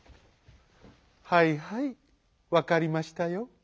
「はいはいわかりましたよ」。